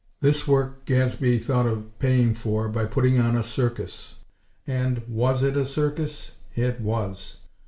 This work Gadsby thought of paying for by putting on a circus. And was it a circus? _It was!!